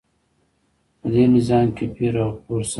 په دې نظام کې پیر او پلور سخت و.